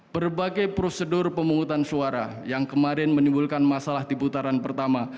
berbagai prosedur pemungutan suara yang kemarin menimbulkan masalah di putaran pertama